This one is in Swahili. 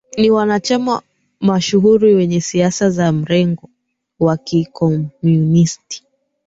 Ni wanachama mashuhuri wenye siasa za mrengo wa kikomunisti